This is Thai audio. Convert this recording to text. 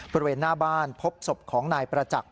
บริเวณหน้าบ้านพบศพของนายประจักษ์